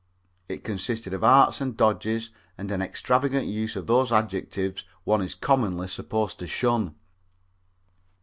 It consisted of arts and dodges and an extravagant use of those adjectives one is commonly supposed to shun.